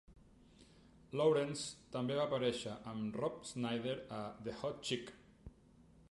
Lawrence també va aparèixer, amb Rob Schneider, a "The Hot Chick".